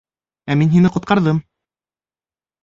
Ә мин һине ҡотҡарҙым!